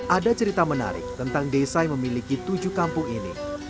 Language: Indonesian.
ada cerita menarik tentang desa yang memiliki tujuh kampung ini